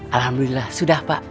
alhamdulillah sudah pak